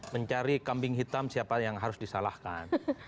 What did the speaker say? mencari kambing hitam siapa yang harus disalahkan